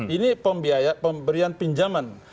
ini pembiayaan pemberian pinjaman